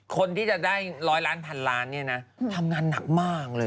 คนที่จะได้๑๐๐ล้านพันล้านเนี่ยนะทำงานหนักมากเลย